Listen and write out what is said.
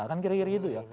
kan kira kira gitu ya